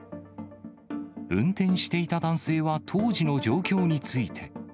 運転していた男性は、当時の状況について。